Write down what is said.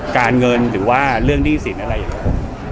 การเงินหรือว่าเรื่องหนี้สินอะไรอย่างนี้ครับผม